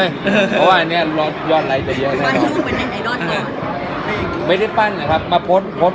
เลยเพราะว่าอันเนี้ยยอดไลค์จะเยอะไม่ได้ปั้นนะครับมาโพสต์โพสต์